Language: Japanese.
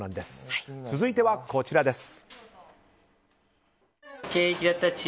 続いては、こちらです。